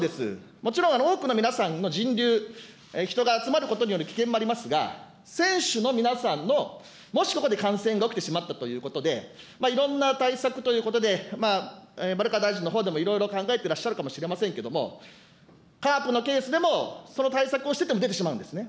もちろん多くの皆さんの人流、人が集まることによる危険もありますが、選手の皆さんの、もしここで感染が起きてしまったということで、いろんな対策ということで、丸川大臣のほうでもいろいろ考えてらっしゃるかもしれませんけれども、カープのケースでも、その対策をしてても出てしまうんですね。